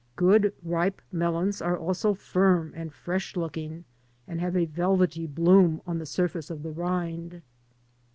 Good ripe melons are also firm and fresh looking and have a velvety bloom on the surface of the rind.